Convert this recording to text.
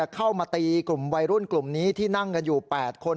เข้ามาตีกลุ่มวัยรุ่นกลุ่มนี้ที่นั่งกันอยู่๘คน